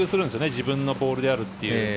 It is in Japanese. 自分のボールであるという。